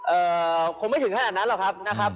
เอ่อคงไม่ถึงขนาดนั้นหรอกครับนะครับ